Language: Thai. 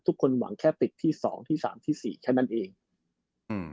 ทุกคนหวังแค่ติดที่๒ที่๓ที่๔แค่นั้นเองอืม